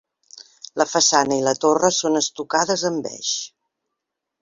La façana i la torre són estucades en beix.